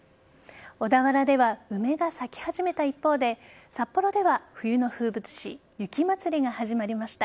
小田原では梅が咲き始めた一方で札幌では冬の風物詩雪まつりが始まりました。